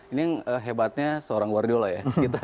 ini yang hebatnya seorang wardiola ya